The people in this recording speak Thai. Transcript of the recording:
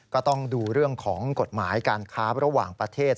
ก็ต้องดูเรื่องของกฎหมายการค้าระหว่างประเทศ